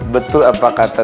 betul apa kata dodo